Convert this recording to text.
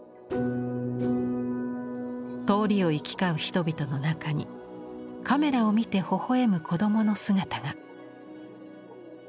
通りを行き交う人々の中にカメラを見てほほ笑む子どもの姿が。